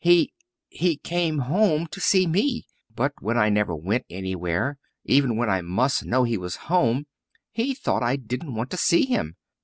He he came home to see me. But when I never went anywhere, even when I must know he was home, he thought I didn't want to see him.